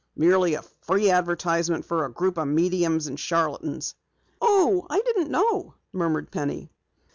Merely a free advertisement for a group of mediums and charlatans." "Oh, I didn't know," murmured Penny.